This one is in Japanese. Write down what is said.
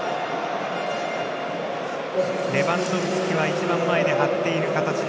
レバンドフスキは一番前に張っている形。